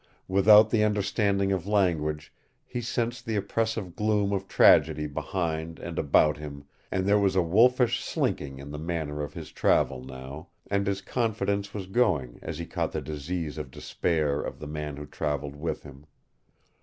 Without the understanding of language he sensed the oppressive gloom of tragedy behind and about him and there was a wolfish slinking in the manner of his travel now, and his confidence was going as he caught the disease of despair of the man who traveled with him.